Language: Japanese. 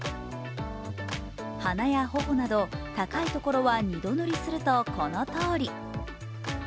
鼻や頬など高いところは２度ぬりするとこのとおり。